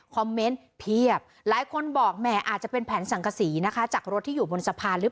คอมเมนต์เพียบหลายคนบอกแหมอาจจะเป็นแผนสั่งกสีนะคะ